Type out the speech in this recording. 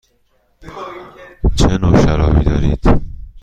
چه نوع شرابی دارید؟